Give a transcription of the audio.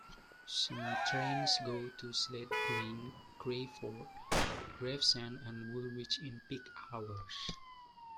Some trains go to Slade Green, Crayford, Gravesend and Woolwich in peak hours.